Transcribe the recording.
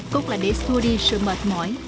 cốt là để xua đi sự mệt mỏi